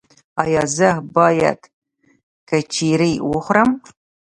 ایا زه باید کیچړي وخورم؟